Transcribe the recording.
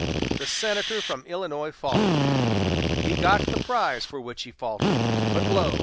The senator from Illinois faltered. He got the prize for which he faltered; but, lo!